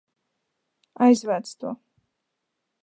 Aizvāc to!